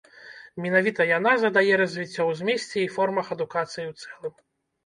Менавіта яна задае развіццё ў змесце і формах адукацыі ў цэлым.